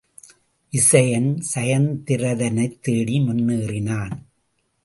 விசயன் சயத்திரதனைத்தேடி முன்னேறினான்.